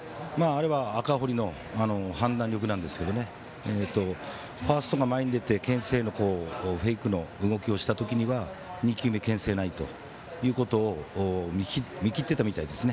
あれは赤堀の判断力なんですけどファーストが前に出てけん制のフェイクの動きをしたときには２球目けん制ないということを見切っていたみたいです。